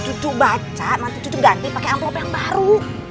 cucu baca nanti cucu ganti pake amplop yang baru